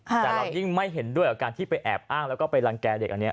แต่เรายิ่งไม่เห็นด้วยกับการที่ไปแอบอ้างแล้วก็ไปรังแก่เด็กอันนี้